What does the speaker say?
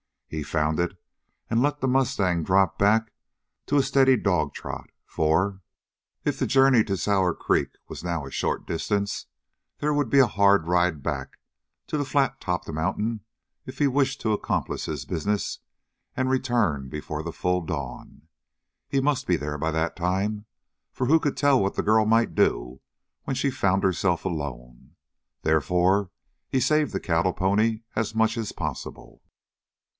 He found it and let the mustang drop back to a steady dogtrot; for, if the journey to Sour Creek was now a short distance, there would be a hard ride back to the flat topped mountain if he wished to accomplish his business and return before the full dawn. He must be there by that time, for who could tell what the girl might do when she found herself alone. Therefore he saved the cattle pony as much as possible.